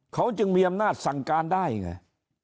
เขาจึงมีอำนาจสั่งการได้ไง